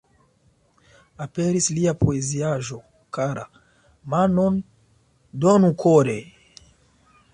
Aperis lia poeziaĵo "Kara, manon donu kore!